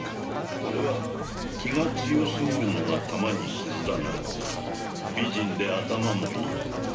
「これは気が強すぎるのが玉にきずだが美人で頭もいい」